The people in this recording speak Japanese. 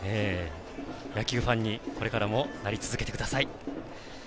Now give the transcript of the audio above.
野球ファンにこれからもなり続けてください。